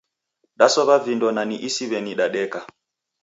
Dasow'a vindo na ni isidiweni dadeka